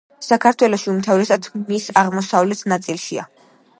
საქართველოში, უმთავრესად მის აღმოსავლეთ ნაწილშია.